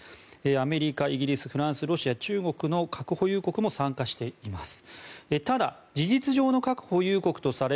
アメリカ、イギリスフランス、ロシア、中国の核保有国も参加しています。